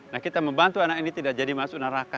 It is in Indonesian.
nah kita membantu anak ini tidak jadi masuk neraka